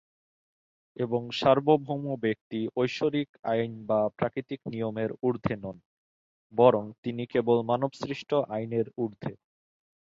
এবং সার্বভৌম ব্যক্তি ঐশ্বরিক আইন বা প্রাকৃতিক নিয়মের ঊর্ধ্বে নন, বরং তিনি কেবল মানবসৃষ্ট আইনের উর্ধ্বে।